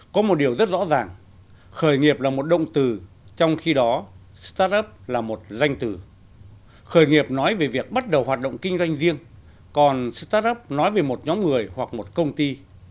có một điều rất rõ ràng khởi nghiệp là một động từ trong khi đó start up là một danh từ khởi nghiệp nói về việc bắt đầu hoạt động kinh doanh riêng còn start up nói về một nhóm người hoặc một công ty